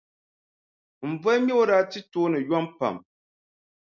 M boliŋmɛbo daa ti tooni yom pam.